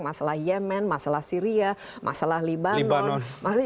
masalah yemen masalah syria masalah libanon